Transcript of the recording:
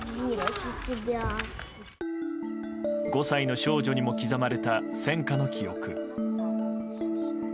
５歳の少女にも刻まれた戦火の記憶。